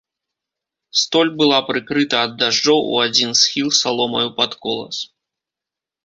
Столь была прыкрыта ад дажджоў у адзін схіл саломаю пад колас.